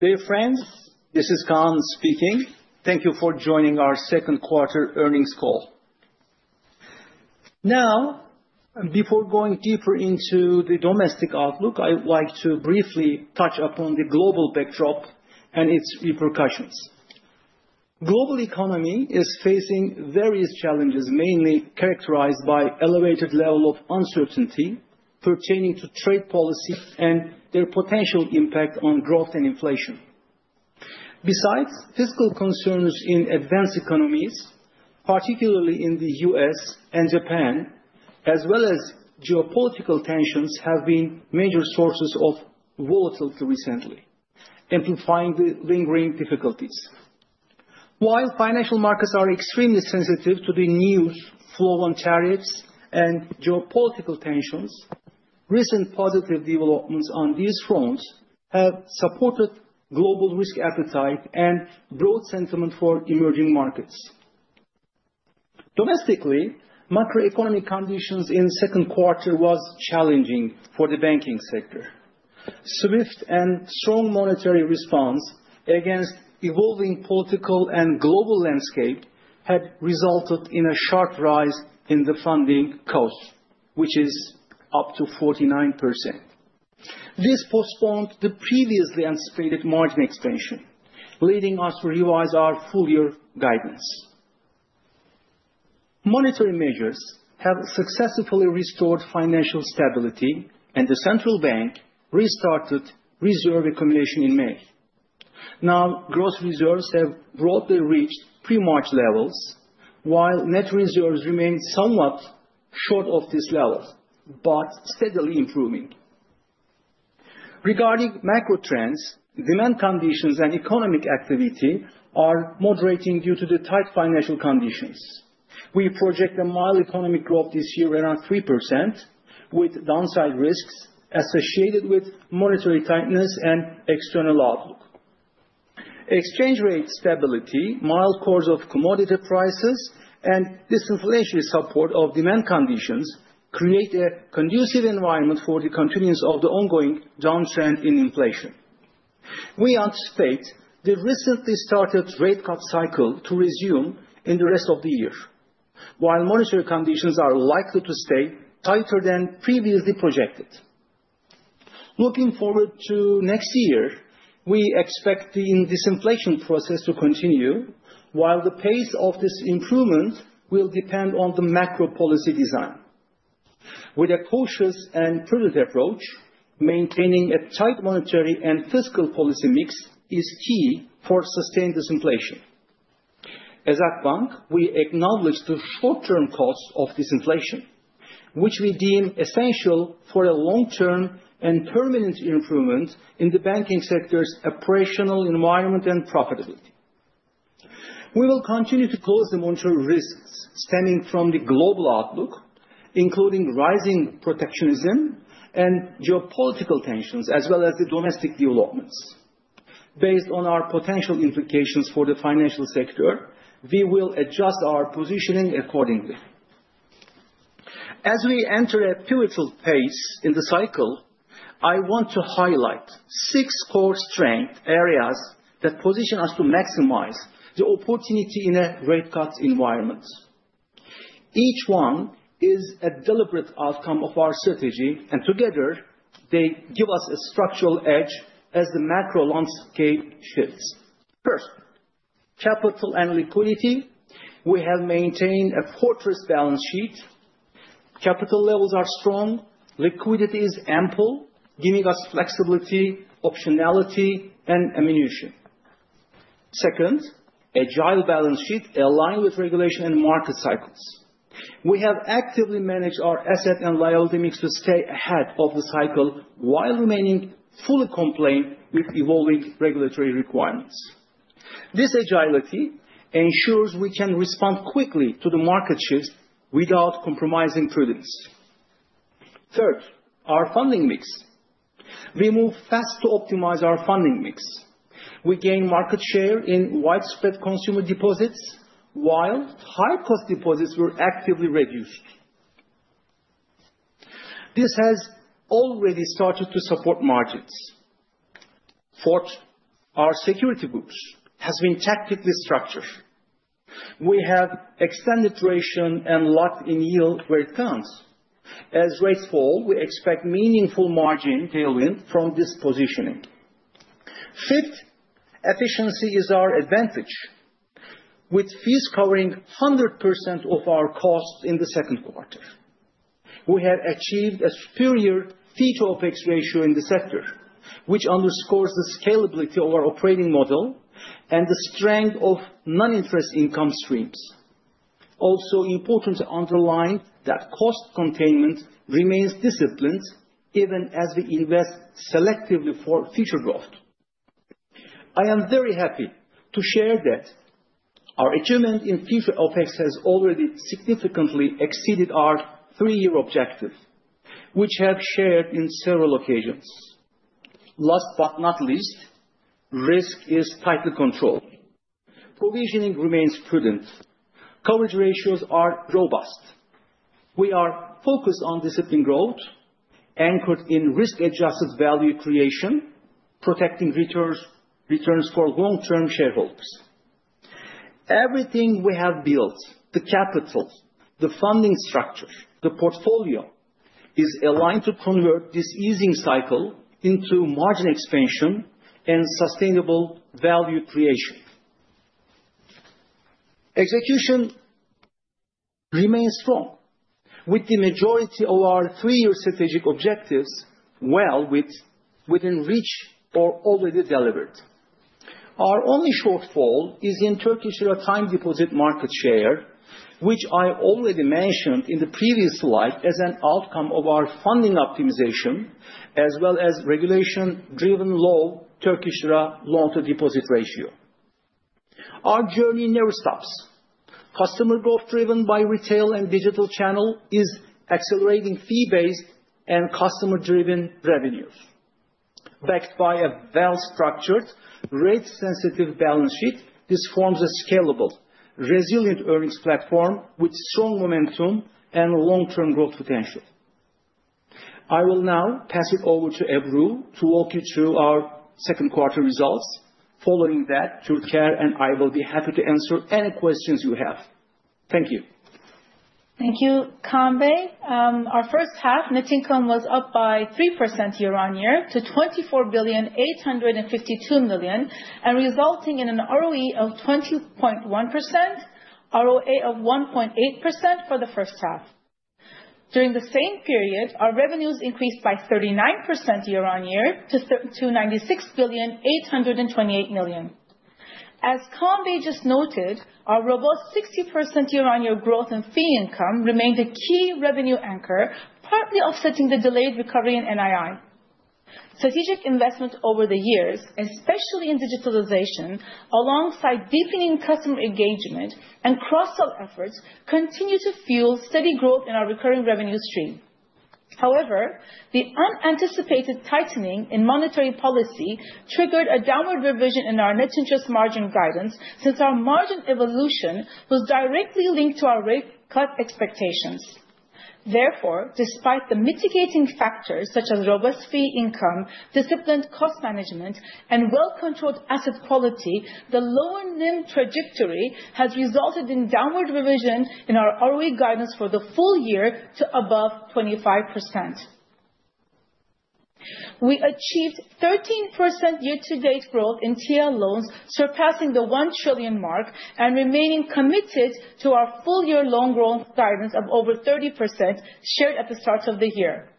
Dear friends, this is Kaan speaking. Thank you for joining our second quarter earnings call. Now, before going deeper into the domestic outlook, I would like to briefly touch upon the global backdrop and its repercussions. Global economy is facing various challenges mainly characterized by elevated level of uncertainty pertaining to trade policy and their potential impact on growth and inflation. Besides, fiscal concerns in advanced economies, particularly in the U.S. and Japan, as well as geopolitical tensions have been major sources of volatility recently, amplifying the lingering difficulties. While financial markets are extremely sensitive to the news flow on tariffs and geopolitical tensions, recent positive developments on these fronts have supported global risk appetite and broad sentiment for emerging markets. Domestically, macroeconomic conditions in the second quarter were challenging for the banking sector. Swift and strong monetary response against evolving political and global landscape had resulted in a sharp rise in the funding cost which is up to 49%. This postponed the previously anticipated margin expansion, leading us to revise our full year guidance. Monetary measures have successfully restored financial stability and the central bank restarted reserve accumulation in May. Now gross reserves have broadly reached pre-March levels while net reserves remain somewhat short of this level but steadily improving. Regarding macro trends, demand conditions and economic activity are moderating due to the tight financial conditions. We project a mild economic growth this year around 3% with downside risks associated with monetary tightness and external outlook. Exchange rate stability, mild course of commodity prices, and disinflationary support of demand conditions create a conducive environment for the continuance of the ongoing downtrend in inflation. We anticipate the recently started rate cut cycle to resume in the rest of the year, while monetary conditions are likely to stay tighter than previously projected. Looking forward to next year, we expect the disinflation process to continue. While the pace of this improvement will depend on the macro policy design with a cautious and prudent approach, maintaining a tight monetary and fiscal policy mix is key for sustained disinflation. As Akbank, we acknowledge the short-term costs of disinflation, which we deem essential for a long-term and permanent improvement in the banking sector's operational environment and profitability. We will continue to closely monitor risks stemming from the global outlook, including rising protectionism and geopolitical tensions, as well as domestic developments. Based on our potential implications for the financial sector, we will adjust our positioning accordingly as we enter a pivotal phase in the cycle. I want to highlight six core strength areas that position us to maximize the opportunity in a rate cut environment. Each one is a deliberate outcome of our strategy, and together they give us a structural edge as the macro landscape shifts. First, capital and liquidity. We have maintained a fortress balance sheet. Capital levels are strong. Liquidity is ample, giving us flexibility, optionality, and ammunition. Second, agile balance sheet aligned with regulation and market cycles. We have actively managed our asset-liability mix to stay ahead of the cycle while remaining fully compliant with evolving regulatory requirements. This agility ensures we can respond quickly to the market shift without compromising prudence. Third, our funding mix. We move fast to optimize our funding mix. We gain market share in widespread consumer deposits while high-cost deposits were actively reduced. This has already started to support margins. Fourth, our securities book has been tactically structured. We have extended duration and locked in yield where it counts as rates fall. We expect meaningful margin tailwind from this positioning. Fifth, efficiency is our advantage. With fees covering 100% of our costs in the second quarter, we have achieved a superior fee to OpEx ratio in the sector, which underscores the scalability of our operating model and the strength of non-interest income streams. Also important to underline that cost containment remains disciplined even as we invest selectively for future growth. I am very happy to share that our achievement in future OpEx has already significantly exceeded our three-year objective, which I have shared on several occasions. Last but not least, risk is tightly controlled. Provisioning remains prudent. Coverage ratios are robust. We are focused on disciplined growth anchored in risk-adjusted value creation, protecting returns for long-term shareholders. Everything we have built to the capital, the funding structure, the portfolio is aligned to convert this easing cycle into margin expansion and sustainable value creation. Execution remains strong, with the majority of our three-year strategic objectives well within reach or already delivered. Our only shortfall is in Turkish time deposit market share, which I already mentioned in the previous slide as an outcome of our funding optimization as well as regulation-driven low Turkish loan to deposit ratio. Our journey never stops. Customer growth driven by retail and digital channel is accelerating. Fee-based and customer-driven revenues backed by a well-structured rate-sensitive balance sheet. This forms a scalable, resilient earnings platform with strong momentum and long-term growth potential. I will now pass it over to Ebru to walk you through our second quarter results. Following that, Türker and I will be happy to answer any questions you have. Thank you. Thank you. Our first half net income was up by 3% year on year to 24,852,000,000, resulting in an ROE of 20.1% and ROA of 1.8% for the first half. During the same period, our revenues increased by 39% year on year to 96,828,000,000. As just noted, our robust 60% year on year growth in fee income remained a key revenue anchor, partly offsetting the delayed recovery in NII. Strategic investment over the years, especially in digitalization alongside deepening customer engagement and cross-sell efforts, continue to fuel steady growth in our recurring revenue stream. However, the unanticipated tightening in monetary policy triggered a downward revision in our net interest margin guidance since our margin evolution was directly linked to our rate cut expectations. Therefore, despite the mitigating factors such as robust fee income, disciplined cost management, and well-controlled asset quality, the lower NIM trajectory has resulted in downward revision in our ROE guidance for the full year to above 25%. We achieved 13% year to date growth in TL loans, surpassing the 1 trillion mark and remaining committed to our full year loan growth guidance of over 30% shared at the start of the year.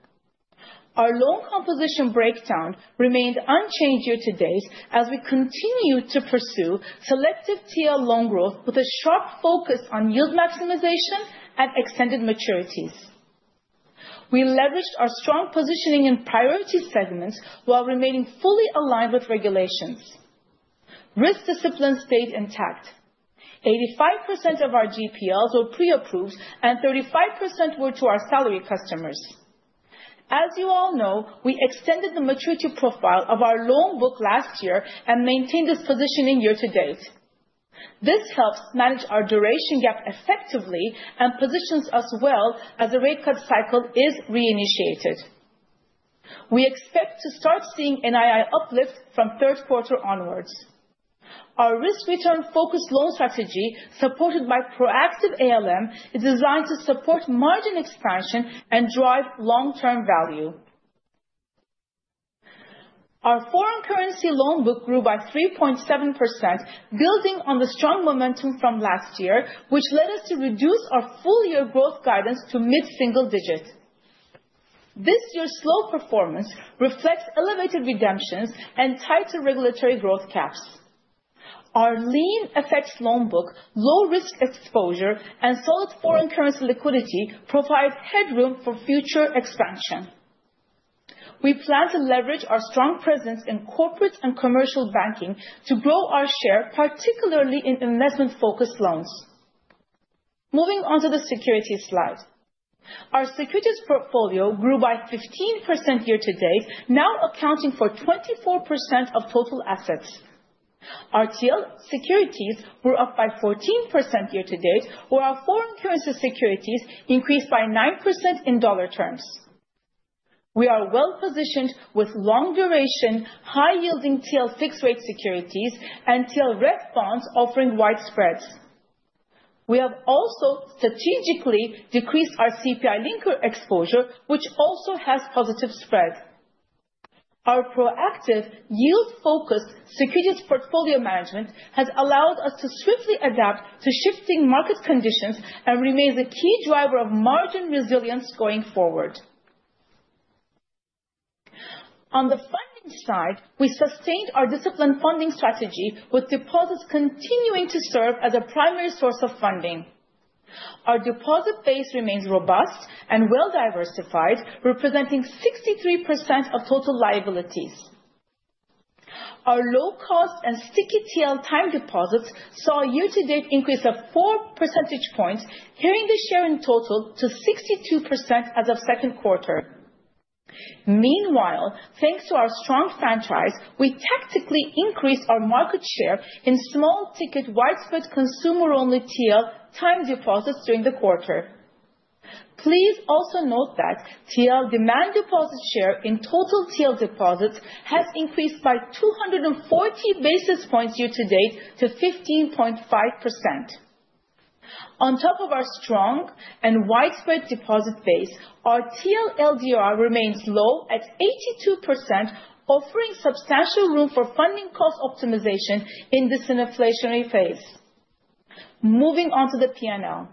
Our loan composition breakdown remained unchanged year to date as we continue to pursue selective TL loan growth with a sharp focus on yield maximization and extended maturities. We leveraged our strong positioning in priority segments while remaining fully aligned with regulations. Risk discipline stayed intact. 85% of our GPLs were pre-approved and 35% were to our salary customers. As you all know, we extended the maturity profile of our loan book last year and maintained its positioning year to date. This helps manage our duration gap effectively and positions us well as the rate cut cycle is reinitiated. We expect to start seeing NII uplift from third quarter onwards. Our risk-return focused loan strategy, supported by proactive asset-liability management, is designed to support margin expansion and drive long-term value. Our foreign currency loan book grew by 3.7%, building on the strong momentum from last year, which led us to reduce our full year growth guidance to mid-single digit. This year's slow performance reflects elevated redemptions and tighter regulatory growth caps. Our lean FX loan book, low risk exposure, and solid foreign currency liquidity provide headroom for future expansion. We plan to leverage our strong presence in corporate and commercial banking to grow our share particularly in investment focused loans. Moving on to the securities slide, our securities portfolio grew by 15% year to date, now accounting for 24% of total assets. RTL securities were up by 14% year to date while our foreign currency securities increased by 9%. In dollar terms, we are well positioned with long duration high yielding TL fixed rate securities and TLREF bonds offering wide spreads. We have also strategically decreased our CPI linker exposure, which also has positive spread. Our proactive yield focused securities portfolio management has allowed us to swiftly adapt to shifting market conditions and remains a key driver of margin resilience going forward. On the funding side, we sustained our disciplined funding strategy with deposits continuing to serve as a primary source of funding. Our deposit base remains robust and well diversified, representing 63% of total liabilities. Our low cost and sticky TL time deposits saw a year to date increase of 4 percentage points, carrying the share in total to 62% as of second quarter. Meanwhile, thanks to our strong franchise, we tactically increased our market share in small ticket widespread consumer only TL time deposits during the quarter. Please also note that TL demand deposit share in total TL deposits has increased by 240 basis points year to date to 15.5%. On top of our strong and widespread deposit base, our TL LDR remains low at 82%, offering substantial room for funding cost optimization in this inflationary phase. Moving on to the P&L,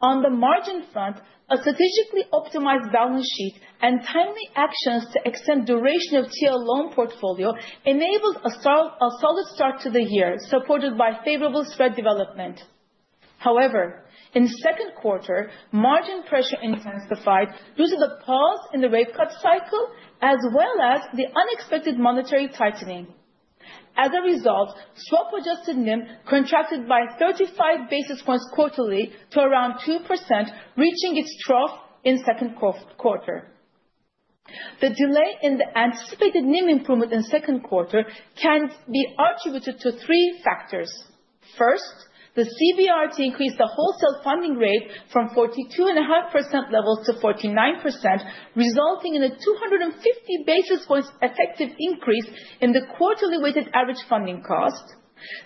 on the margin front, a strategically optimized balance sheet and timely actions to extend duration of TL loan portfolio enables a solid start to the year supported by favorable spread development. However, in second quarter, margin pressure intensified due to the pause in the rate cut cycle as well as the unexpected monetary tightening. As a result, swap adjusted NIM contracted by 35 basis points quarterly to around 2%, reaching its trough in second quarter. The delay in the anticipated NIM improvement in second quarter can be attributed to three factors. First, the CBRT increased the wholesale funding rate from 42.5% levels to 49%, resulting in a 250 basis points effective increase in the quarterly weighted average funding cost.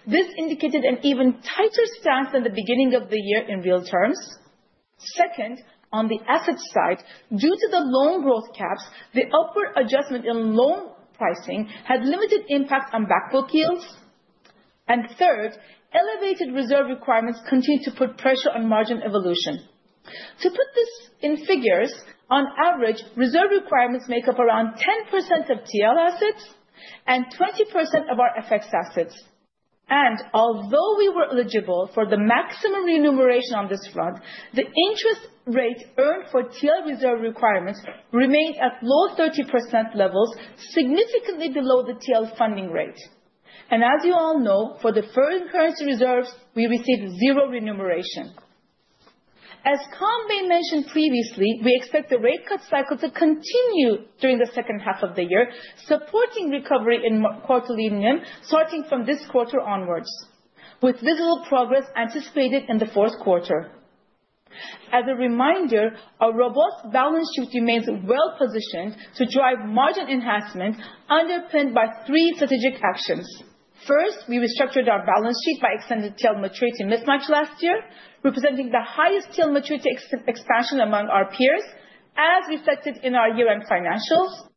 This indicated an even tighter stance than the beginning of the year in real terms. Second, on the asset side, due to the loan growth caps, the upper adjustment in loan pricing had limited impact on back book yields, and third, elevated reserve requirements continue to put pressure on margin evolution. To put this in figures, on average reserve requirements make up around 10% of TL assets and 20% of our FX assets, and although we were eligible for the maximum remuneration on this front, the interest rate earned for TL reserve requirement remained at low 30% levels, significantly below the TL funding rate. As you all know, for the foreign currency reserves, we received zero remuneration. As Tom Bei mentioned previously, we expect the rate cut cycle to continue during the second half of the year, supporting recovery in quarter line starting from this quarter onwards with visible progress anticipated in the fourth quarter. As a reminder, our robust balance sheet remains well positioned to drive margin enhancement underpinned by three strategic actions. First, we restructured our balance sheet by extended tail maturity mismatch last year, representing the highest tail maturity expansion among our peers as reflected in our year-end financials.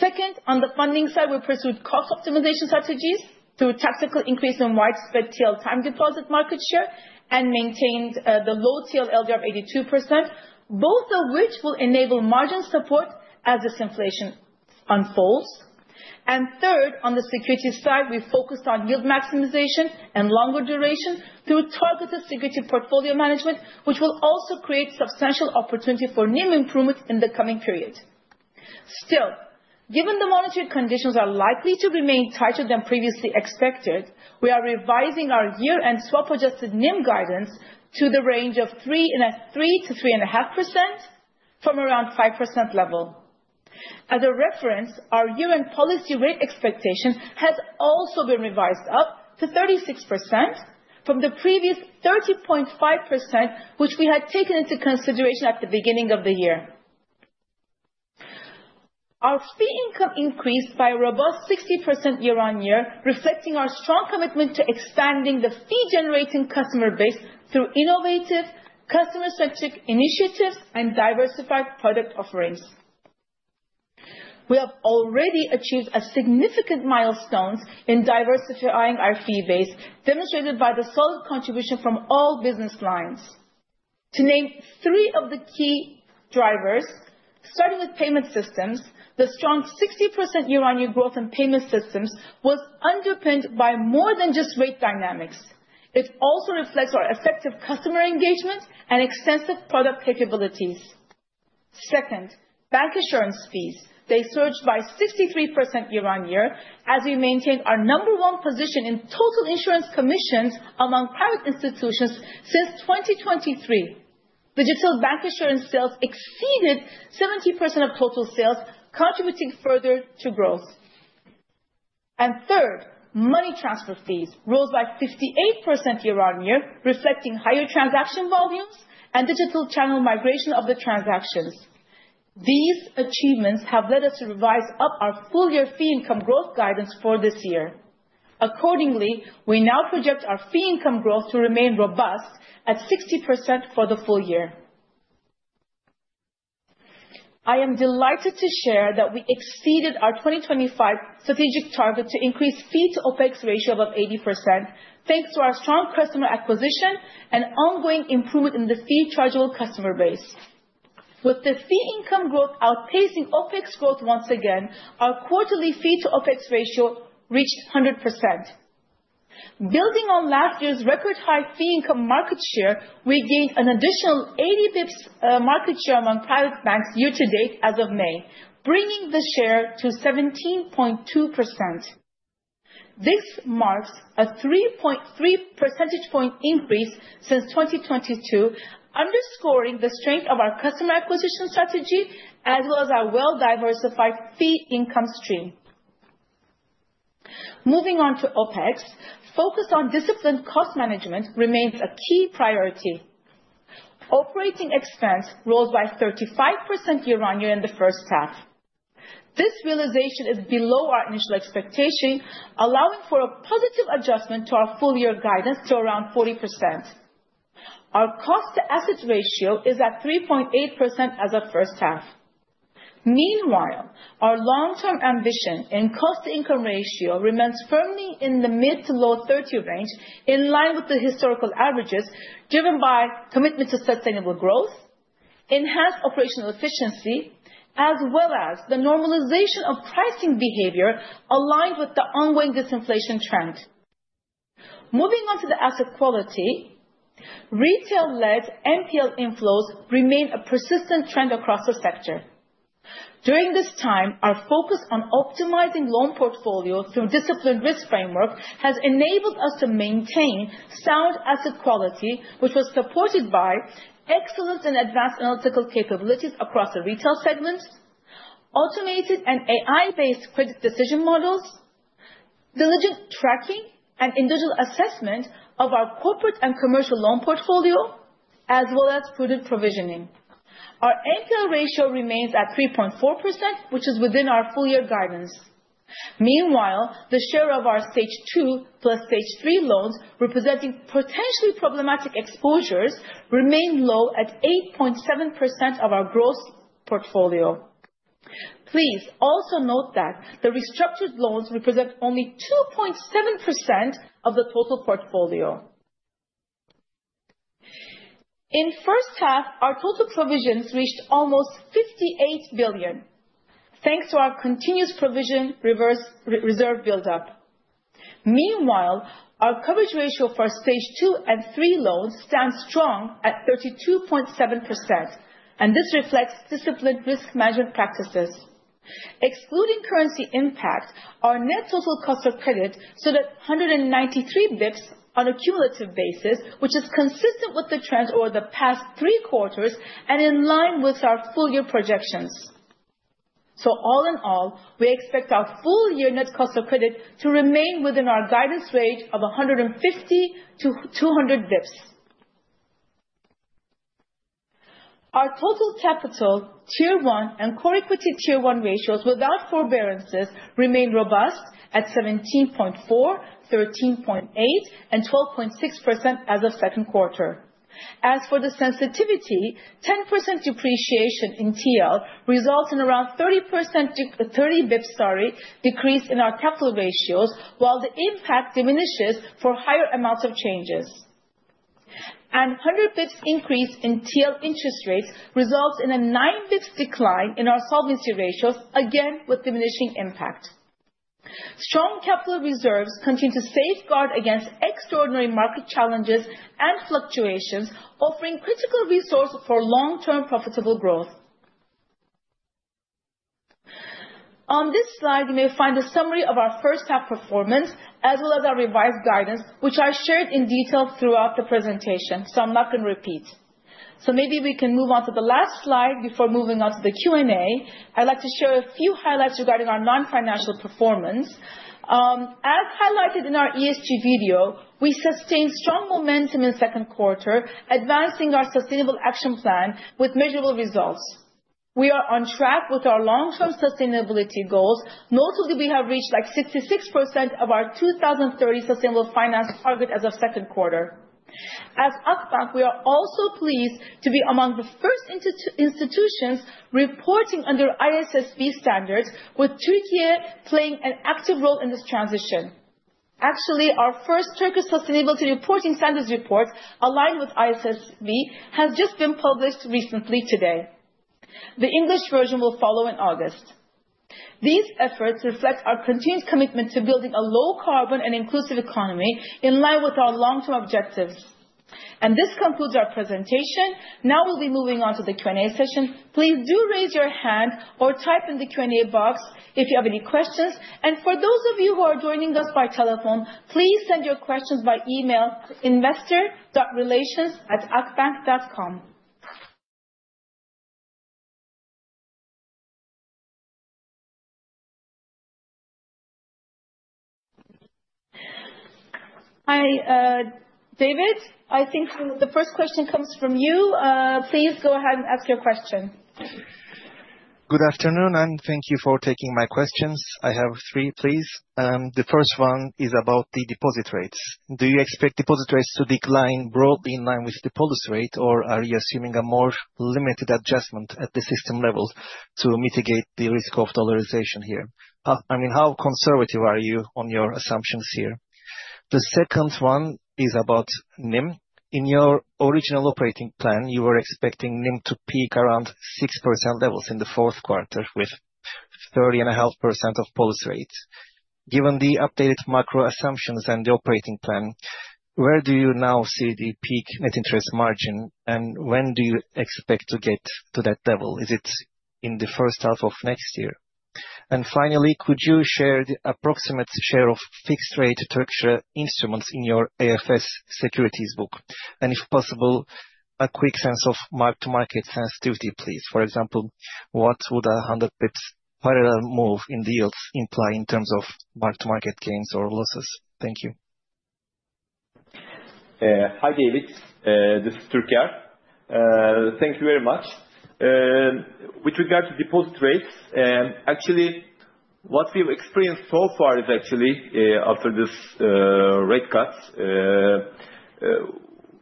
Second, on the funding side, we pursued cost optimization strategies through tactical increase in widespread tail time deposit market share and maintained the low TLLD of 82%, both of which will enable margin support as this inflation unfolds. Third, on the security side, we focused on yield maximization and longer duration through targeted security portfolio management, which will also create substantial opportunity for NIM improvement in the coming period. Still, given the monetary conditions are likely to remain tighter than previously expected, we are revising our year-end swap adjusted NIM guidance to the range of 3%-3.5% from around 5% level. As a reference, our year-end policy rate expectation has also been revised up to 36% from the previous 30.5%, which we had taken into consideration. At the beginning of the year, our fee income increased by a robust 60% year on year, reflecting our strong commitment to expanding the fee generation customer base through innovative customer-centric initiatives and diversified product offerings. We have already achieved a significant milestone in diversifying our fee base, demonstrated by the solid contribution from all business lines, to name three of the key drivers starting with payment systems. The strong 60% year-on-year growth in payment systems was underpinned by more than just rate dynamics. It also reflects our effective customer engagement and extensive product capabilities. Second, bank assurance fees. They surged by 63% year on year as we maintained our number one position in total insurance commissions among private institutions. Since 2023, digital bank insurance sales exceeded 70% of total sales, contributing further to growth. Third, money transfer fees rose by 58% year on year, reflecting higher transaction volumes and digital channel migration of the transactions. These achievements have led us to revise up our full year fee income growth guidance for this year. Accordingly, we now project our fee income growth to remain robust at 60% for the full year. I am delighted to share that we exceeded our 2025 strategic target to increase fee to OpEx ratio above 80% thanks to our strong customer acquisition and ongoing improvement in the fee chargeable customer base. With the fee income growth outpacing OpEx growth once again, our quarterly fee to OpEx ratio reached 100%, building on last year's record high fee income market share. We gained an additional 80 bps from market share among private banks year to date as of May, bringing the share to 17.2%. This marks a 3.3 percentage point increase since 2022, underscoring the strength of our customer acquisition strategy as well as our well-diversified fee income stream. Moving on to OpEx, focus on disciplined cost management remains a key priority. Operating expense rose by 35% year on year in the first half. This realization is below our initial expectation, allowing for a positive adjustment to our full year guidance to around 40%. Our cost to assets ratio is at 3.8% as of first half. Meanwhile, our long term ambition and cost to income ratio remains firmly in the mid to low 30 range in line with the historical averages, driven by commitment to sustainable growth, enhanced operational efficiency as well as the normalization of pricing behavior aligned with the ongoing disinflation trend. Moving on to the asset quality, retail led NPL inflows remain a persistent trend across the sector. During this time, our focus on optimizing loan portfolio through disciplined risk framework has enabled us to maintain sound asset quality, which was supported by excellent and advanced analytical capabilities across the retail segments, automated and AI-based credit decision models, diligent tracking and individual assessment of our corporate and commercial loan portfolio, as well as prudent provisioning. Our NPL ratio remains at 3.4%, which is within our full year guidance. Meanwhile, the share of our stage 2 plus stage 3 loans representing potentially problematic exposures remained low at 8.7% of our gross portfolio. Please also note that the restructured loans represent only 2.7% of the total portfolio. In the first half, our total provisions reached almost 58 billion thanks to our continuous provision reserve buildup. Meanwhile, our coverage ratio for stage 2 and 3 loans stands strong at 32.7%, and this reflects disciplined risk management practices excluding currency impact. Our net total cost of credit stood at 193 bps on a cumulative basis, which is consistent with the trends over the past three quarters and in line with our year projections. All in all, we expect our full year net cost of credit to remain within our guidance range of 150 to 200 bps. Our total capital, Tier 1, and core equity Tier 1 ratios without forbearances remained robust at 17.4%, 13.8%, and 12.6% as of second quarter. As for the sensitivity, 10% depreciation in TL results in around 30 bps decrease in our capital ratios, while the impact diminishes for higher amounts of changes, and 100 bps increase in TL interest rates results in a 9 bps decline in our solvency ratios, again with diminishing impact. Strong capital reserves continue to safeguard against extraordinary market challenges and fluctuations, offering critical resources for long-term profitable growth. On this slide, you may find a summary of our first half performance as well as our revised guidance, which I shared in detail throughout the presentation. I'm not going to repeat. We can move on to the last slide. Before moving on to the Q and A, I'd like to share a few highlights regarding our non-financial performance. As highlighted in our ESG video, we sustained strong momentum in second quarter, advancing our sustainable action plan with measurable results. We are on track with our long-term sustainability goals. Notably, we have reached 66% of our 2030 sustainable finance target as of second quarter. As Akbank, we are also pleased to be among the first institutions reporting under ISSB standards, with Turkey playing an active role in this transition. Actually, our first Turkish Sustainability Reporting Standards report aligned with ISSB has just been published recently today. The English version will follow in August. These efforts reflect our continued commitment to building a low carbon and inclusive economy in line with our long term objectives. This concludes our presentation. Now we'll be moving on to the Q&A session. Please do raise your hand or type in the Q and A box if you have any questions. For those of you who are joining us by telephone, please send your questions by email at investor.relations@akbank.com. Hi David, I think the first question comes from you. Please go ahead and ask your question. Good afternoon and thank you for taking my questions. I have three please. The first one is about the deposit rates. Do you expect deposit rates to decline broadly in line with the deposit rate, or are you assuming a more limited adjustment at the system level to mitigate the risk of dollarization here? I mean, how conservative are you on your assumptions here? The second one is about NIM. In your original operating plan, you were expecting NIM to peak around 6% levels in the fourth quarter with 30.5% of policy rates. Given the updated macro assumptions and the operating plan, where do you now see the peak net interest margin and when do you expect to get to that level? Is it in the first half of next year? Finally, could you share the approximate share of fixed rate Turkish instruments in your AFS securities book? If possible, a quick sense of mark to market sensitivity please. For example, what would a 100 bps parallel move in yields imply in terms of mark to market gains or losses? Thank you. Hi David, this is Türker. Thank you very much. With regards to deposit rates, actually what we've experienced so far is actually after this rate cuts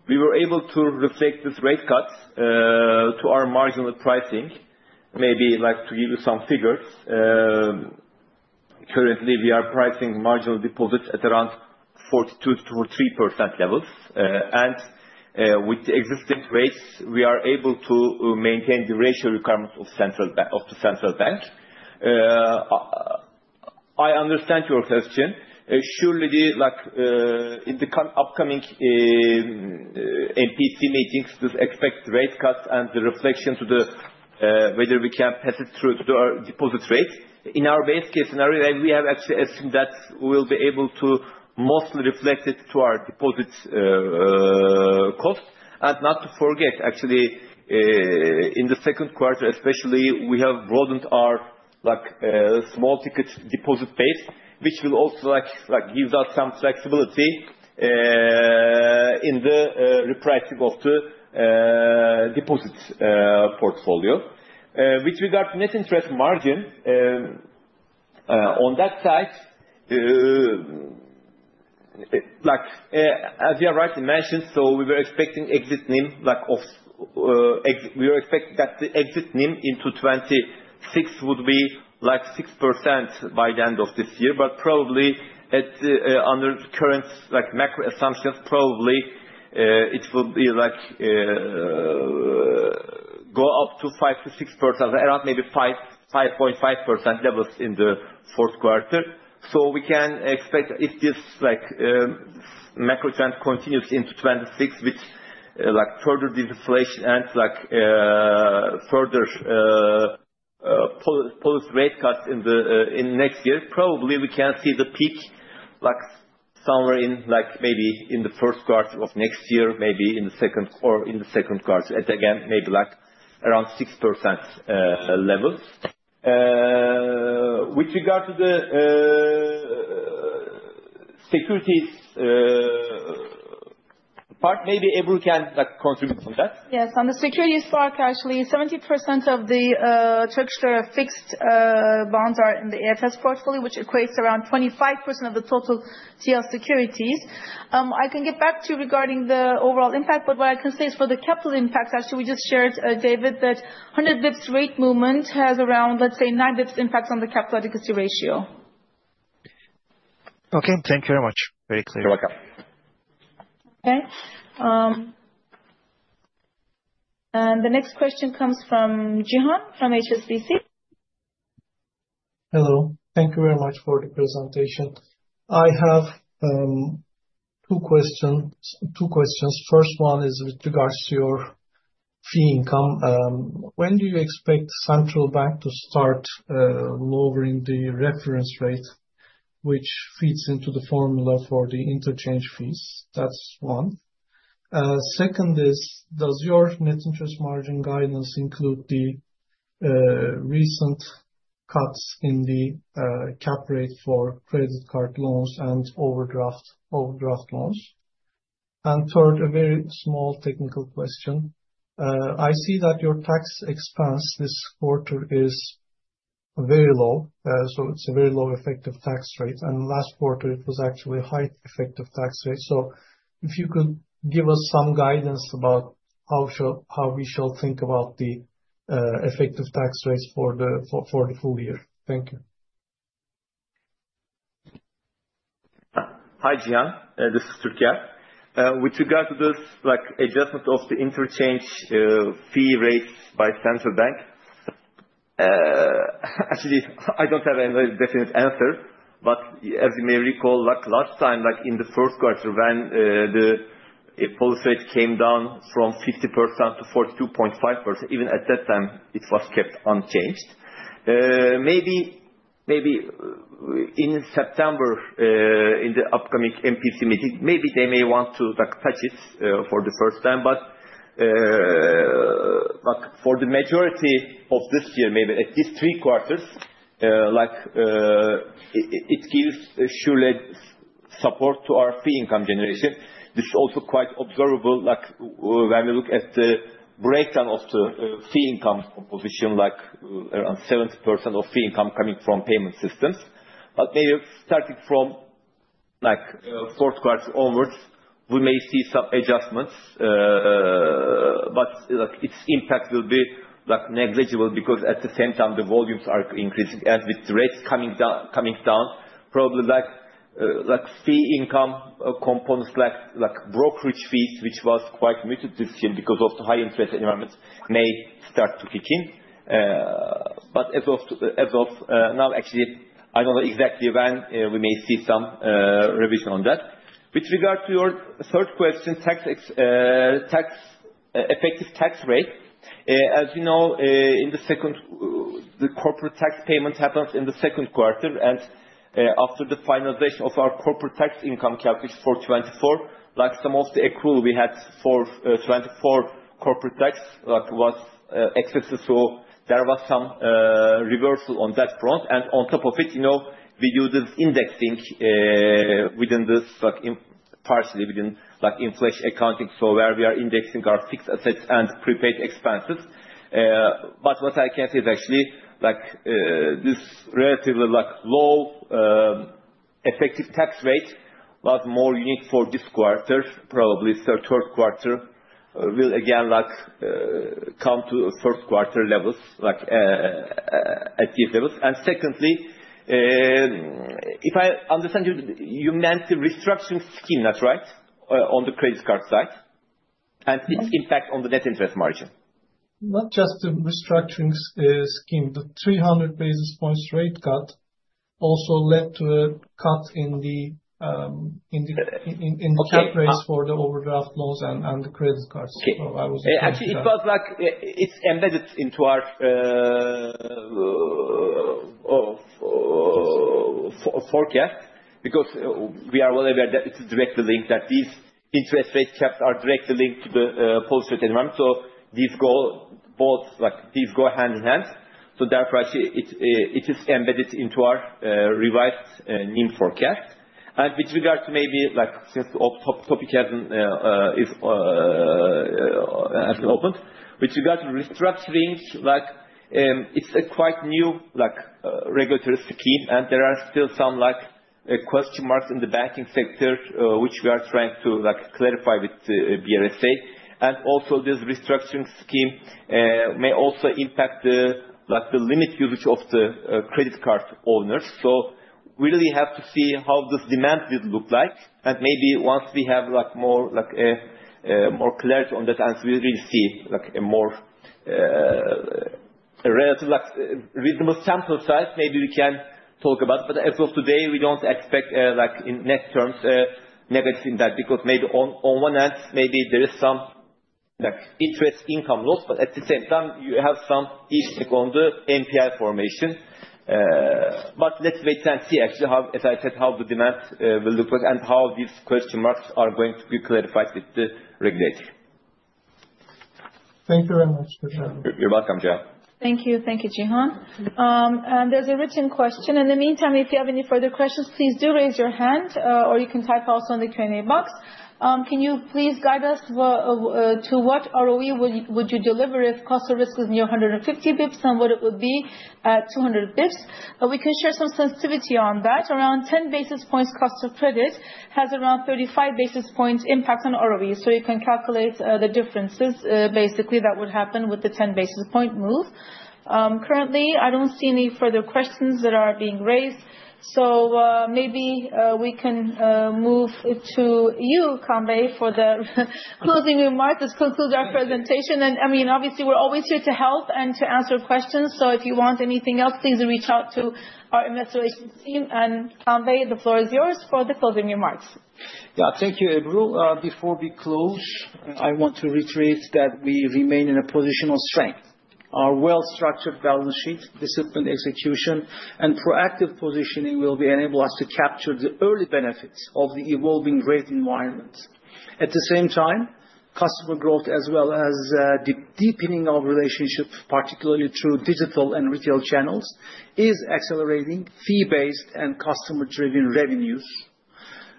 we were able to reflect this rate cut to our marginal pricing. Maybe like to give you some figures. Currently we are pricing marginal deposits at around 42%-43% levels, and with the existing rates we are able to maintain the ratio requirement of the Central Bank. I understand your question surely like in the upcoming MPC meetings this expect rate cuts and the reflection to the whether we can pass it through to our deposit rate in our best case scenario we have actually assumed that we'll be able to mostly reflect it to our deposits cost and not to forget actually in the second quarter especially we have broadened our like small ticket deposit base which will also like give us some flexibility in the repricing of the deposit portfolio. With regard to net interest margin on that side like as you rightly mentioned. We were expecting exit NIM like of we expect that the exit NIM into 2026 would be like 6% by the end of this year but probably under current like macro assumptions probably it will be like go up to 5%-6%, maybe 5%-5.5% levels in the fourth quarter. We can expect if this like macro trend continues into 2026 with like further disinflation and like further policy rate cuts in the in next year probably we can see the peak like somewhere in like maybe in the first quarter of next year maybe in the second or in the second quarter again maybe like around 6% levels. With regard to the securities part maybe everyone can contribute on that. Yes. On the securities stock, actually 70% of the Turkish fixed bonds are in the portfolio, which equates to around 25% of the total TL securities. I can get back to regarding the overall impact, but what I can say is for the capital impacts, actually we just shared, David, that a 100 bps rate movement has around, let's say, 9 bps impact on the capital adequacy ratio. Okay, thank you very much. Very clear. You're welcome. Okay, the next question comes from Gihan from HSBC. Hello, thank you very much for the presentation. I have two questions. First one is with regards to your fee income. When do you expect central bank to start lowering the reference rate which feeds into the formula for the interchange fees? That's one. Second is does your net interest margin guidance include the recent cuts in the cap rate for credit card loans and overdraft loans? Third, a very small technical question. I see that your tax expense this quarter is very low. It's a very low effective tax rate and last quarter it was actually high effective tax rate. If you could give us some guidance about how we shall think about the effective tax rates for the full year. Thank you. Hi Jian, this is Turkey. With regard to this adjustment of the interchange fee rate by central bank, actually I don't have any definite answer. As you may recall, last time in the first quarter when the policy came down from 50% to 42.5%, even at that time it was kept unchanged. Maybe in September in the upcoming MPC meeting, they may want to touch it for the first time. For the majority of this year, at least 3/4, it gives surely support to our fee income generation. This is also quite observable. When we look at the breakdown of the fee income composition, around 70% of fee income is coming from payment systems. Maybe starting from the fourth quarter onwards, we may see some adjustments, but its impact will be negligible because at the same time the volumes are increasing. As with rates coming down, probably fee income components like brokerage fees, which was quite muted this year because of the high interest environments, may start to kick in. As of now, I don't know exactly when we may see some revision on that. With regard to your third question, effective tax rate, as you know, the corporate tax payment happens in the second quarter. After the finalization of our corporate tax income calculation for 2024, some of the accrual we had for 2024 corporate tax was excess, so there was some reversal on that front. On top of it, we use this indexing partially within inflation accounting, where we are indexing our fixed assets and prepaid expenses. What I can see is this relatively low effective tax rate was more unique for this quarter, probably, so third quarter will again come to first quarter levels at these levels. Secondly, if I understand you, you meant the restructuring scheme. That's right. On the credit card side and its impact on the net interest margin. Not just the restructuring scheme. The 300 basis points rate cut also led to a cut in the cap rates for the overdraft loans and the credit cards. Actually, it was like it's embedded into our forecast because we are well aware that it's directly linked, that these interest rate caps are directly linked to the post rate environment. These go hand in hand. Therefore, actually, it is embedded into our revised NIM forecast. With regard to maybe, since topic is opened, with regard to restructuring, it's a quite new regulatory scheme and there are still some question marks in the banking sector, which we are trying to clarify with BRSA. Also, this restructuring scheme may also impact the limit usage of the credit card owners. We really have to see how this demand will look like and maybe once we have more clarity on that answer, we will see a more relative reasonable sample size. Maybe we can talk about it. As of today, we don't expect in net terms negative in that because maybe on one end, maybe there is some interest income loss, but at the same time you have some issue on the NPL formation. Let's wait and see, actually, as I said, how the demand will look like and how these question marks are going to be clarified with the regulator. Thank you very much. You're welcome. Thank you. Thank you, Gihan. There's a written question. In the meantime, if you have any further questions, please do raise your hand or you can type also in the Q and A box. Can you please guide us to what ROE would you deliver if cost of risk is near 150 bps and what it would be at 200 bps? We can share some sensitivity on that. Around 10 basis points. Cost of credit has around 35 basis points impact on ROE. You can calculate the differences. Basically that would happen with the 10 basis point move. Currently I don't see any further questions that are being raised. Maybe we can move to you Kaan Gür for the closing remarks. This concludes our presentation and I mean obviously we're always here to help and to answer questions. If you want anything else, please reach out to our investigations team and convey. The floor is yours for the closing remarks. Thank you, Ebru. Before we close, I want to reiterate that we remain in a position of strength. Our well-structured balance sheet, disciplined execution, and proactive positioning will enable us to capture early benefits of the evolving rate environment. At the same time, customer growth as well as deepening our relationships, particularly through digital and retail channels, is accelerating fee-based and customer-driven revenues.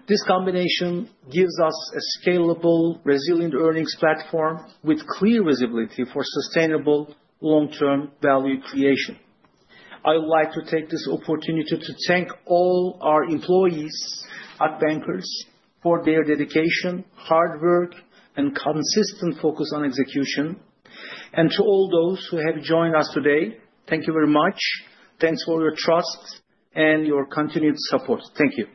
This combination gives us a scalable, resilient earnings platform with clear visibility for sustainable long-term value creation. I would like to take this opportunity to thank all our employees at Akbank for their dedication, hard work, and consistent focus on execution. To all those who have joined us today, thank you very much. Thanks for your trust and your continued support. Thank you.